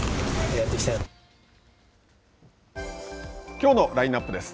きょうのラインナップです。